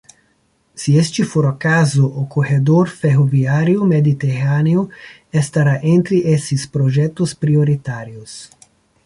Se este for o caso, o corredor ferroviário mediterrâneo estará entre esses projetos prioritários.